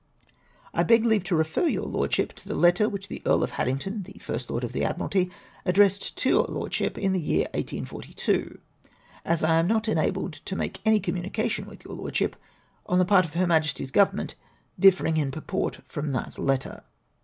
" I beg leave to refer your Lordship to the letter which the Earl of Haddington, the First Lord of the Admiralty, ad dressed to your Lordship in the year 1842— as I am not enabled to make any communication to your Lordship on the part of Her Majesty's Grovernment differing in purport from that letter.